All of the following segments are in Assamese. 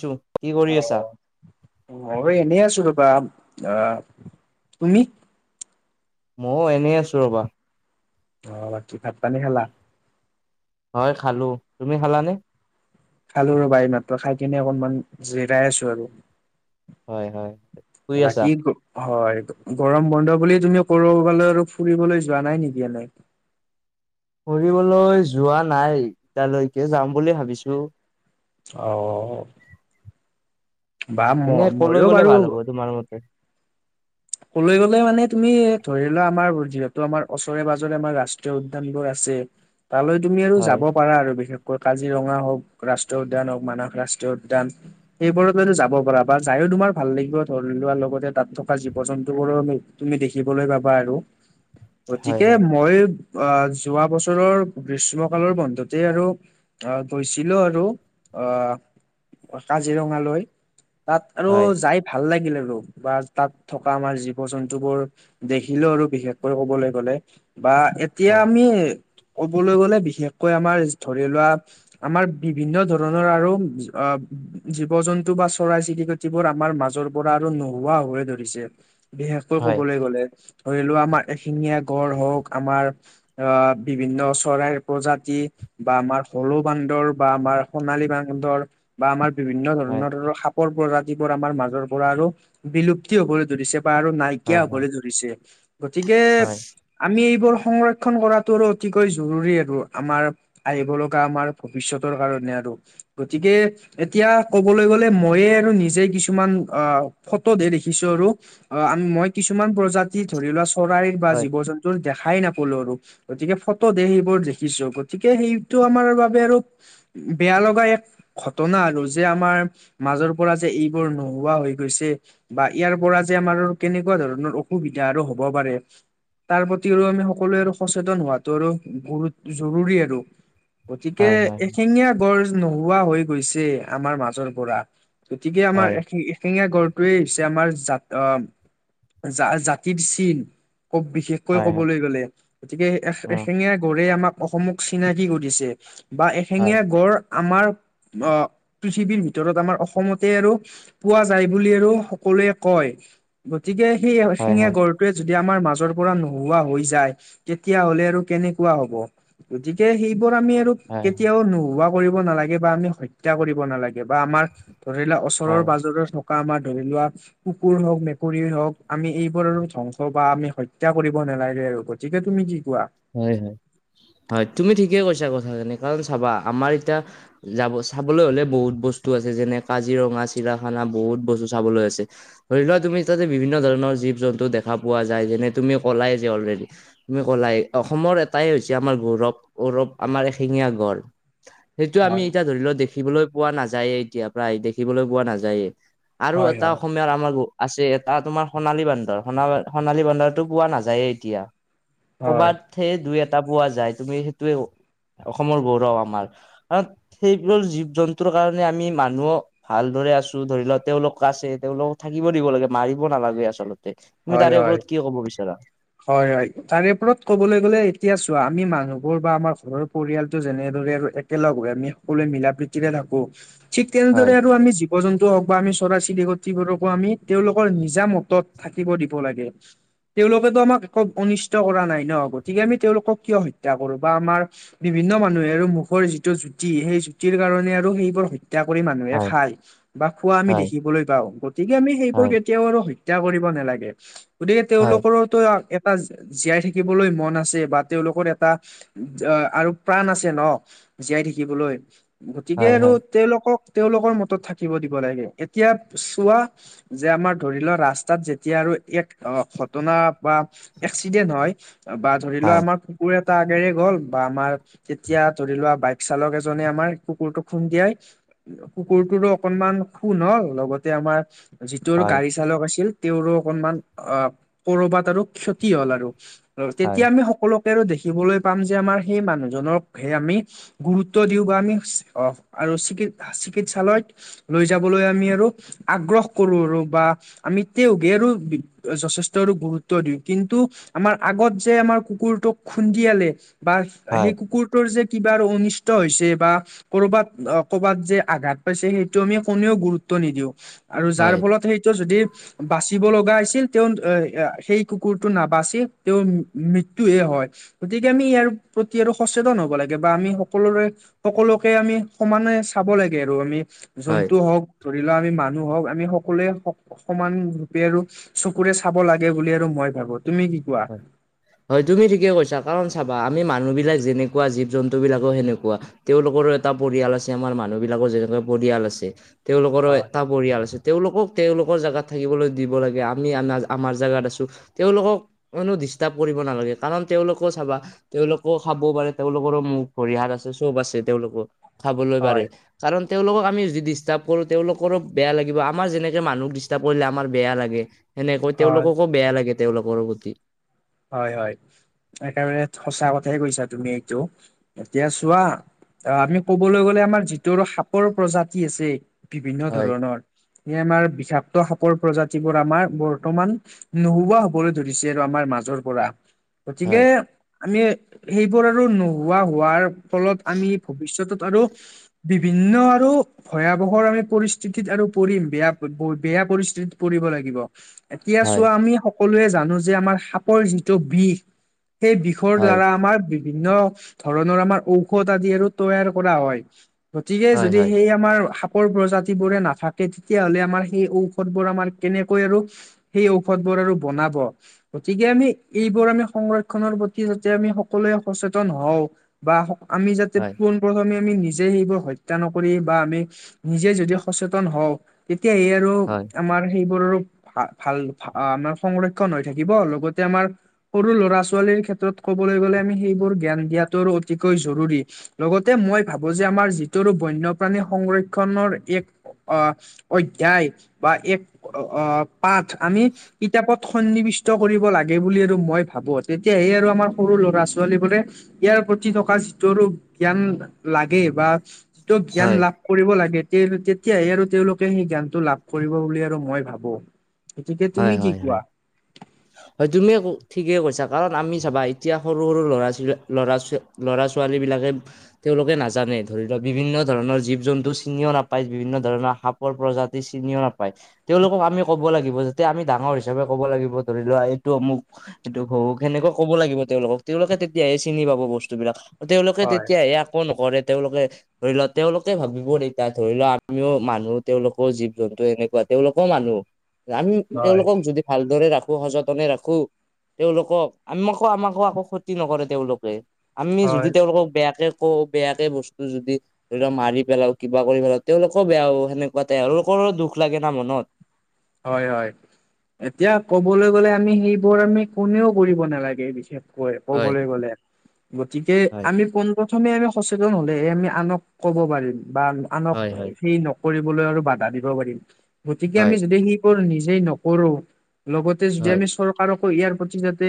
ছো, কি কৰি আছা? অ এনেই আছো ৰাবা অ। তুমি? ময়ো এনেই আছো ৰ'বা। অ বাকী ভাত পানী খালা? হয় খালো। তুমি খালানে? খালো ৰবাহ মাত্ৰ খাই কিনে অকনমান জিৰাই আছো আৰু। হয় হয় শুই আছা বাকীত গ হয় গৰম বন্ধ বুলি তুমি কৰবালৈ আৰু ফুৰিবলৈ যোৱা নাই নেকি এনেই ফুৰিবলৈ যোৱা নাই এতিয়ালৈকে যাম বুলি ভাবিছোঁ। অ বা ম এনে কলৈ মইয়ো গলে বাৰু ভাল হ'ব তোমাৰ মতে ক'লৈ গ'লে মানে তুমি ধৰি লোৱা আমাৰ যিহেতু আমাৰ ওচৰে পাজৰে আমাৰ ৰাষ্ট- উদ্যান বোৰ আছে তালৈ তুমি আৰু হয় যাব পাৰা আৰু বিশেষ কাজিৰঙা হওক ৰাষ্ট্ৰীয় উদ্যান হওক মানস ৰাষ্ট্ৰীয় উদ্যান এইবোৰত লৈ যাব পাৰ বা যায়ো তোমাৰ ভাল লাগিব ধৰি লোৱা লগতে তাত থকা জীৱ- জীৱ জন্তুবোৰো মি, তুমি দেখিবলৈ পাবা আৰু হয় গতিকে হয় মই আহ যোৱা বছৰৰ গ্ৰীষ্মকালৰ বন্ধতেই আৰু আহ গৈছিলো আৰু আহ কাজিৰঙালৈ তাত আৰু হয় যাই ভাল লাগিল আৰু বা তাত থকা আমাৰ জীৱ জন্তু বোৰ দেখিলেও আৰু বিশেষকৈ ক'বলৈ গ'লে বা এক এতিয়া হয় আমি কবলৈ গ'লে বিশেষকৈ আমাৰ ধৰি লোৱা আমাৰ বিভিন্ন ধৰণৰ আৰু অ জীৱ জন্তু বা চৰাই চিৰক- যিবোৰ আমাৰ মাজৰ পৰা আৰু নোহোৱা হৈ ধৰিছে, বিশেষকৈ হয় কবলৈ গলে। ধৰি লোৱা আমাৰ এখিঙীয়া গড় হওক আমাৰ আহ বিভিন্ন চৰাইৰ প্ৰজাতি বা আমাৰ হলৌ বান্দৰ বা আমাৰ সোণালী বান্দৰ বা আমাৰ বিভিন্ন হয় ধৰণৰ সাপৰ প্ৰজাতিবোৰ আমাৰ মাজৰ পৰা আৰু বিলুপ্ত হ'বলৈ ধৰিছে বা আৰু হয় হয় নাইকিয়া হবলৈ ধৰিছে, গতিকে হয় আমি এইবোৰ সংৰক্ষন কৰাটো আৰু অতিকৈ জৰুৰী আৰু আমাৰ আহিব লগা আমাৰ ভৱিষ্যতৰ কাৰণে আৰু গতিকে এতিয়া কবলে গ'লে মইয়ে আৰু নিজে কিছুমান অ ফটোতহে দেখি কিছৰো আৰু আম মই কিছুমান প্ৰজাতি ধৰি লোৱা চৰাইৰ বা হয় জীৱ-জন্ত ত দেখাই নাপালো আৰু গতিকে ফটোদে সেইবোৰ দেখিছো, গতিকে সেইটো আমাৰ বাবে আৰু বেয়া লগা এক ঘটনা আৰু যে আমাৰ মাজৰ পৰা যে এইবোৰ নোহোৱা হৈ গৈছে, বা ইয়াৰ পৰা যে আমাৰ কেনেকুৱা ধৰণৰ অসুবিধা আৰু হব পাৰে। তাৰ প্ৰতিও আমি সকলোৱে আৰু সচেতন হোৱাতো আৰু গুৰুত জৰুৰী আৰু। গতিকে হয় হয় এশেঙীয়া গড় নোহোৱা হৈ গৈছে, আমাৰ মাজৰ পৰা। গতিকে আমাৰ হয় এ এশেঙীয়াা গড়টোৱে হৈছে আমাৰ জাত জা জাতিৰ চিন, খুব বিশেষ কৈ হয় হয় হয় কবলৈ গ'লে, গতিকে এশিঙিয়া গড়ে আমাক অসমক চিনাকি কৰিছে বা এশেঙীয়া গড় আমাৰ অ পৃথিৱীৰ ভিতৰত আমাৰ অসমতে আৰু পোৱা যায় বুলি আৰু সকলোৱে কয়, গতিকে সেই হয় হয় এশিঙীয়া হয় গড় টোৱে যদি আমাৰ মাজৰ পৰা নোহোৱা হৈ যায়, তেতিয়া হলে আৰু কেনেকুৱা হব। গতিকে সেইবোৰ আমি আৰু কেতিয়াও নোহোৱা কৰিব নালাগে বা আমি হত্যা কৰিব নালাগে বা আমাৰ ধৰি লওক হয় ওচৰৰ পাজৰৰ থকা আমাৰ ধৰি লোৱা কুকুৰ হওক, মেকুৰীৰ হওক আমি এইবোৰৰো ধ্বংস বা আমি হত্যা কৰিব নালাগে আৰু গতিকে তুমি কি কোৱা? হয়, হয়, হয় তুমি ঠিকে কৈছা কথাখিনি, কাৰণ চাবা আমাৰ এতিয়া যাব চাবলৈ হ'লে বহুত বস্তু আছে যেনে কাজিৰঙা, চিৰাখানা বহুত বস্তু চাবলৈ আছে। ধৰি লোৱা তুমি তাতে বিভিন্ন ধৰণৰ জীৱ-জন্তু দেখা পোৱা যায়, যেনে তুমি কলাই যে অলৰেডি। তুমি ক'লাই, অসমৰ এটাই হৈছে আমাৰ গৌৰৱ গৌৰৱ আমাৰ এশিঙীয়া গড়। সেইটো আমি হয় এতিয়া ধৰি লও দেখিবলৈ পোৱা নাযায়ে, এতিয়া প্ৰায় দেখিবলৈ পোৱা নাযায়েই। আৰু হয় এটা হয় অসমীয়াৰ আমাৰ আছে এটা তোমাৰ সোণালী বান্দৰ, সোণ সোণালী বান্দৰটো পোৱা নাযায়ে এতিয়া। হয় কৰ'বাত সে দুই এটা পোৱা যায় তুমি সেইটোৱে, অসমৰ গৌৰৱ আমাৰ। কাৰণ সেইবোৰ জীৱ-জন্তুৰ কাৰণে আমি মানুহক ভালদৰে আছো ধৰি লওক তেওঁলোক আছে, তেওঁলোকক থাকিব দিব লাগে মাৰিব নালাগে আচল তে তুমি হয় তাৰে হয় ওপৰত কি কব বিচাৰা? হয় হয় তাৰে ওপৰত ক'বলৈ গ'লে এতিয়া চোৱা আমি মানুহবোৰ বা আমাৰ ঘৰৰ পৰিয়ালতটো যেনেদৰে আৰু একেলগ হৈ আমি সকলোৱে মিলা প্ৰীতিৰে থাকো, ঠিক হয় তেনেদৰে আৰু আমি জীৱ-জন্তু হওক বা আমি চৰাই চিৰিকটবোৰকো আমি তেওঁলোকৰ নিজা মতত থাকিব দিব লাগে। তেওঁলোকেতো আমাক একো অনিষ্ট কৰা নাই ন গতিকে, আমি তেওঁলোকক কিয় হত্যা কৰো বা আমাৰ বিভিন্ন মানুহে আৰু মুখৰ যিটো জুতি সেই জুতিৰ কাৰণ আৰু সেইবোৰ হত্যা হত্যা কৰি মানুহে হয় খাই বা খোৱা আমি হয় দেখিবলৈ পাওঁ, গতিকে আমি সেইবোৰ হয় কেতিয়াও আৰু হত্যা কৰিব নালাগে, গতিকে হয় তেওঁলোকৰো এটা জীয়াই থাকিবলৈ মন আছে বা তেওঁলোকৰ এটা আৰু প্ৰাণ আছে ন জীয়াই থাকিবলৈ, গতিকে হয় আৰু তেওঁলোকক, তেওঁলোকৰ মতত থাকিব দিব লাগে, এতিয়া চোৱা যে আমাৰ ধৰি লোৱা ৰাস্ত তাত যেতিয়া আৰু এক ঘটনা বা এক্সিডেন্ট হয় বা ধৰি লোৱা হয় আমাৰ কুকুৰ এটা আগেৰে গ'ল বা আমাৰ তেতিয়া ধৰি লোৱা বাইক চালক এজনে আমাৰ কুকুৰটো খুন্দিয়াই কুকুৰটোত অকনমান খোন হ'ল, লগতে আমাৰ যিটোৰ হয় হয় গাড়ী চালক আছিল তেওঁৰো অকনমান অ কৰবাত আৰু ক্ষতি হল আৰু হয় তেতিয়া আমি সকলো। আৰু দেখিবলৈ পাম যে আমাৰ সেই মানুহজনক'হে আমি গুৰুত্ব দিওঁ বা আমি আহ আৰু চিকিৎ চিকিৎসালয়ত, লৈ যাবলৈ আমি আৰু আগ্ৰহ কৰো আৰু বা আমি। তেওগে আৰু যথেষ্ট আৰু গুৰুত্ব দিওঁ কিন্তু, আমাৰ আগত যে আমাৰ কুকুৰটোক খুন্দিয়ালে বা সেই হয় কুকুৰ, সিহতৰ যে কিবা আৰু অনিষ্ট হৈছে বা, কৰবাত কৰ'বাত যে আঘাত পাইছে সেইটো আমি কোনেও গুৰুত্ব নিদিও। আৰু যাৰ হয় ফলত সেইটো যদি। বাচিব লগা হৈছিল তেওঁ সেই কুকুৰটো নাবচি তেওঁৰ মৃত্যু হে হয়। গতিকে আমি ইয়াৰ প্ৰতি আৰু সচেতন হব লাগে বা আমি সকলোৰে। সকলোকে আমি সমানে চাব লাগে আৰু আমি। জন্তু হয় হওক ধৰি লোৱা আমি মানুহ হওক আমি সকলোৱে সমান। ৰ আৰু চকুৰে চাব লাগে বুলি আৰু মই ভাবো তুমি কি, কোৱা হয়। হয় তুমি ঠিকে কৈছা। কাৰণ চাবা আমি মানুহবিলাক যেনেকুৱা জীৱ জন্তুবিলাকো সেনেকুৱা। তেওঁলোকৰো এটা পৰিয়াল আছে আমাৰ মানুহ বিলাকৰ যেনেকুৱা পৰিয়াল আছে তেওঁলোকৰো হয় এটা, পৰিয়াল আছে। তেওঁলোকক তেওঁলোকৰ জেগাত থাকিবলৈ দিব লাগে। আমি আমাৰ জেগাত আছোঁ। তেওঁলোক মানো ডিষ্টাৰ্ব কৰিব নালাগে কাৰণ তেওঁলোকো চাবা। তেওঁলোকো খাবও পাৰে, তেওঁলোকৰো মুখ ভৰিয়াল আছে চব আছে তেওঁলোকৰ খাবলৈ পাৰে। হয় কাৰণ তেওঁলোককৃ আমি যদি ডিষ্টাৰ্ব কৰোঁ তেওঁলোকৰো বেয়া লাগিব। আমাৰ যেনেকে মানুহক ডিষ্টাৰ্ব কৰিলে আমাৰ বেয়া লাগে। সেনেকৈ হয় তেওঁলোককো বেয়া লাগে তেওঁলোকৰ প্ৰতি। হয় হয় একেবাৰে সঁচা কথাই কৈছা তুমি এইটো। এতিয়া চোৱা আহ আমি কবলৈ গ'লে আমাৰ যিটো আৰু সাপৰ প্ৰজাতি আছে। বিভিন্ন হয় ধৰণৰ এই আমাৰ বিষাক্ত সাপৰ প্ৰজাতিবোৰ আমাৰ বৰ্তমান। নোহোৱা হ'বলৈ ধৰিছে আৰু আমাৰ মাজৰ, পৰা। হয় গতিকে আমি সেইবোৰ আৰু নোহোৱা হোৱাৰ। ফলত আমি ভৱিষ্যতত আৰু বিভিন্ন আৰু ভয়াৱহৰ আমি পৰিস্থিতিত আৰু পৰিম বেয়া বেয়া পৰিস্থিতিত পৰিব লাগিব। এতিয়া চোৱা আমি সকলোৱে জানো যে আমাৰ সাপৰ যিটো বিষ সেই বিষ। বিষৰ দ্বাৰা আমাৰ বিভিন্ন ধৰণৰ আমাৰ ঔষধ আদি আৰু তৈয়াৰ কৰা হয়। গতিকে যদি সেই আমাৰ সাপ, প্ৰজাতি বোৰে নাথাকে। তেতিয়াহলে আমাৰ সেই ঔষধ বোৰ আমাৰ কেনেকৈ আৰু সেই ঔষধ বোৰ আৰু বনাব। গতিকে আমি এইবোৰ আমি সংৰক্ষনৰৰ প্ৰতি যাতে আমি সকলোৱে সচেতন হওঁ, বা আমি যাতে পোন, প্ৰথমে আমি নিজে সেইবোৰ হত্যা নকৰি বা আমি নিজে যদি সচেতন হওঁ। তেতিয়া ইয়াৰ, আমাৰ সেইবোৰৰো ভাল ভাল আমাৰ সংৰক্ষন হৈ থাকিব লগতে আমাৰ, সৰু ল'ৰা ছোৱালীৰ ক্ষেত্ৰত ক'বলৈ গ'লে আমি সেইবোৰ জ্ঞান দিয়াতো অতিকৈ জৰুৰী। লগতে মই ভাবো যে আমাৰ যিটোৰ বন্যপ্ৰাণী সংৰক্ষনৰৰ এক, আহ অধ্যায় বা এক আহ, পাঠ আমি কিতাপত সন্নিৱিষ্ট। কৰিব লাগে বুলি আৰু মই ভাবো তেতিয়াহে আৰু আমাৰ সৰু ল'ৰা ছোৱালী বোৰে। ইয়াৰ প্ৰতি থকা যিটোৰ জ্ঞান লাগে বা যিটো জ্ঞান লাভ, কৰিব লাগে তেতিয়াই আৰু তেওঁলোকে সেই জ্ঞানটো লাভ কৰিব বুলি আৰু মই ভাবো। গতিকে হয় তুমি কি হয় হয়। কোৱা হয় তুমিয় ঠিকেই কৰিছা কাৰণ আমি চাবা এতিয়া সৰু সৰু ল'ৰা ছোৱী ল'ৰা ছোৱালী, ল'ৰা ছোৱালীবিলাকে। তেওঁলোকে নাজানে ধৰি লওক বিভিন্ন ধৰণৰ জীৱ জন্তু চিনিও নাপায় বিভিন্ন ধৰণৰ সাপ, প্ৰজাতি চিনিও নাপায় তেওঁলোকক আমি ক'ব লাগিব যে। এতিয়া আমি ডাঙৰ হিচাপে ক'ব লাগিব ধৰি লোৱা এইটো অমোক সেইটো সৰু সেনেকুৱা ক'ব লাগিব তেওঁলোক তেওঁলোকে তেতিয়াহে চিনি পাব বস্তুবলাক। তেওঁলোকে হয় তেতিয়াহে একো নকৰে তেওঁলোকে ধৰি লোৱা তেওঁলোকে ভাবিব এতিয়া ধৰি লোৱা আমিও মানুহ তেওঁলোকৰ জীৱ জন্তু এনেকুৱা তেওঁলোকও মানুহ আমি হয় তেওঁলোকক যদি ভালদৰে ৰাখো সযতনে ৰাখো তেওঁলোকক আমাকো আমাকো আকো ক্ষতি নকৰে তেওঁলোকে আমি যদি হয় তেওঁলোকক বেয়াকে কৌ বেয়াকে বস্তু যদি ধৰি লোৱা মাৰি পেলাও কিবা কৰি পেলাও তেওঁলোকৰ বেয়া হ সেনেকুৱাতে তেওঁলোকৰো দুখ লাগে না মনত হয় হয় এতিয়া কবলৈ গ'লে আমি সেইবোৰ আমি কোনেও কৰিব নালাগে বিশেষ কৈ হয় কবলৈ গ'লে গতিকে হয় আমি পোন প্ৰথমে আমি সচেতন হ'লে হে আমি আনক ক'ব পাৰিম বা আনক হয় হয় সেই নক কৰিবলৈ আৰু বাধা দিব পাৰিম গতিকে আমি হয় যদি সেই বোৰ নিজেই নকৰো লগত যদি হয় আমি চৰ চৰকাৰকো ইয়াৰ প্ৰতি যাতে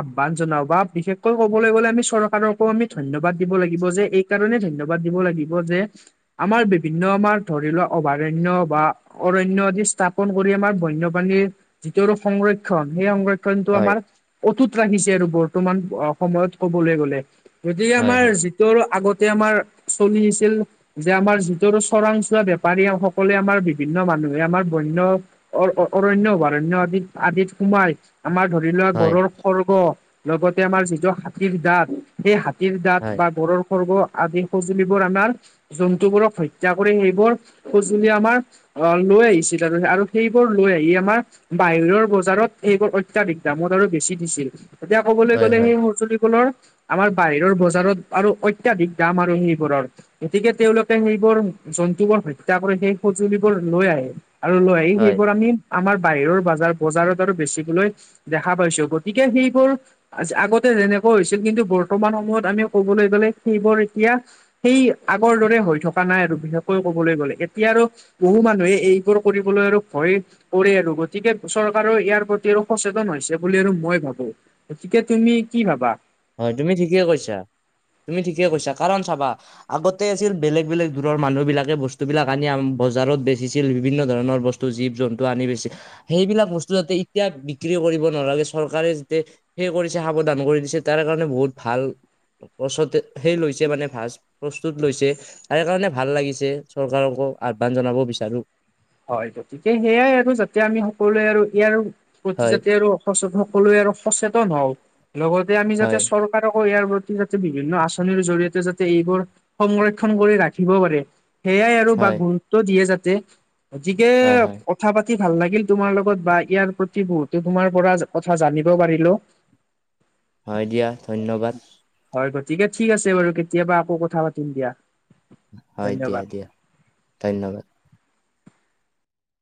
আহ্বান জনাও বা বিশেষকৈ ক'বলৈ গ'লে আমি চৰকাৰকো আমি ধন্যবাদ দিব লাগিব যে এই কাৰণে ধন্যবাদ দিব লাগিব যে আমাৰ বিভিন্ন আমাৰ ধৰি লোৱা অভয়াৰণ্য বা অৰণ্য যি স্থাপন কৰি আমাৰ বন্যপ্ৰাণীৰ যিটো সংৰক্ষণ সেই সংৰক্ষণটো হয় আমাৰ অটুত ৰাখিছে আৰু বৰ্তমান সময়ত কবলৈ গলে গতিকে হয় আমাৰ হয় ত আৰু আগতে আমাৰ চলি আহিছিল যে আমাৰ যিটো চৰাং চোৱা বেপাৰী সকলোৱে আমাৰ বিভিন্ন মানুহে আমাৰ বন্য অৰণ্য, অভয়াৰণ্য আদিত আদিত সোমাই আমাৰ ধৰি লোৱা হয় গড়ৰ খৰ্গ লগতে আমাৰ যিটো হাতীৰ দাঁত সেই হাতীৰ দাঁত হয় বা গড়ৰ খৰ্গ আদি সঁজুলিবোৰ আমাৰ জন্তুবোৰক হত্যা কৰি সেইবোৰ সজুলি আমাৰ আহ লৈ আহিছিল আৰু সেইবোৰ লৈ আহিয়ে আমাৰ বাহিৰৰ বজাৰত এইবোৰ অত্যাধিক দামত আৰু বেছি দিছিল এতিয়া কবলৈ হয় গ'লে হয় সেই সজুলি কুলৰ আমাৰ বাহিৰৰ বজাৰত আৰু অত্যাধিক দাম আৰু সেইবোৰৰ গতিকে তেওঁলোকে সেইবোৰ জন্তু বোৰ হত্যা কৰি সেই সঁজুলিবোৰ লৈ আহে আৰু লয় আহি হয় সেইবোৰ আমি আমাৰ বাহিৰৰ বজাৰ বজাৰত আৰু বেছিবলৈ দেখা পাইছো গতিকে সেইবোৰ আগতে যেনেকুৱা হৈছিল কিন্তু বৰ্তমান সময়ত আমি ক'বলৈ গ'লে সেইবোৰ এতিয়া সেই আগৰ দৰে হৈ থকা নাই আৰু বিশেষকৈ কবলৈ গ'লে এতিয়া আৰু বহু মানুহে এইবোৰ কৰিবলৈ আৰু ভয়েই কৰে আৰু গতিকে চৰকাৰৰ ইয়াৰ প্ৰতি আৰু সচেতন হৈছে বুলি আৰু মই ভাবো গতিকে তুমি কি ভাবা হয় তুমি ঠিকেই কৈছা তুমি ঠিকেই কৈছা কাৰণ চাবা আগতে আছিল বেলেগ বেলেগ দূৰৰ মানুহ বিলাকে বস্তু বিলাক আনি বজাৰত বেচিছিল বিভিন্ন ধৰণৰ বস্তু টো জীৱ জন্তু আনি বেছি সেইবিলাক বস্তু যাতে এতিয়া বিক্ৰী কৰিব নালাগে চৰকাৰে যাতে সেই কৰিছে সাৱধান কৰি দিছে তাৰ কাৰণে বহুত ভাল প্ৰচতে সেই লৈছে মানে ভাল প্ৰস্তুত লৈছে তাৰে কাৰণে ভাল লাগিছে চৰকাৰকো আহ্বান জনাব বিচাৰো হয় গতিকে সেইয়াই আৰু যাতে আমি সকলোৱে আৰু ইয়াৰ প্ৰতি হয় যাতে আৰু সকলোৱে আৰু সচেতন হওঁ লগতে আমি যাতে হয় চৰ চৰকাৰকো ইয়াৰ প্ৰতি যাতে বিভিন্ন আঁচনিৰ জৰিয়তে যাতে এইবোৰ সংৰক্ষণ কৰি ৰাখিব পাৰে সেয়াই আৰু বা হয় গুৰুত্ব দিয়ে যাতে গতিকে হয় হয় কথা পাতি ভাল লাগিল তোমাৰ লগত বা ইয়াৰ প্ৰতি বহুতো তোমাৰ পৰা কথা জানিব পাৰিলো হয় দিয়া ধন্যবাদ। হয় গতিকে ঠিক আছে বাৰু কেতিয়াবা আকৌ কথা পাতিম দিয়া। হয় ধন্যবাদ দিয়া দিয়া ধন্যবাদ।